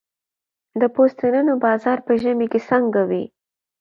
د پوستینونو بازار په ژمي کې څنګه وي؟